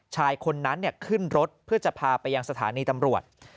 ชายคนนั้นขึ้นรถเพื่อจะพาไปยังสถานีตำรวจ